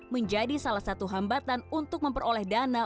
menjadi salah satu hambatan untuk memperoleh dana